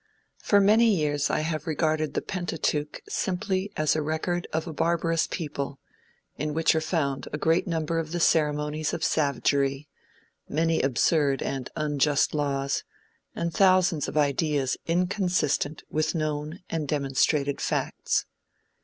For many years I have regarded the Pentateuch simply as a record of a barbarous people, in which are found a great number of the ceremonies of savagery, many absurd and unjust laws, and thousands of ideas inconsistent with known and demonstrated facts.